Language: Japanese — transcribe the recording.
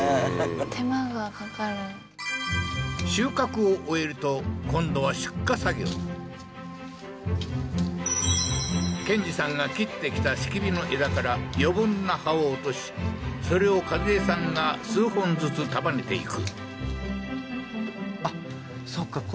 手間がかかる収穫を終えると今度は憲二さんが切ってきた櫁の枝から余分な葉を落としそれを一江さんが数本ずつ束ねていく